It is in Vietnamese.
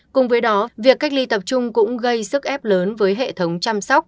cùng với đó việc cách ly tập trung cũng gây sức ép lớn với hệ thống chăm sóc